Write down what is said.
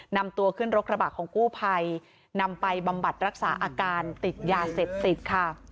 นำตัวขึ้นรถกระบะของกู้ภัยนำไปบำบัดรักษาอาการติดยาเสพติดค่ะ